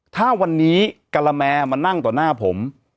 ถ้าวันนี้กะละแมมานั่งต่อหน้าผม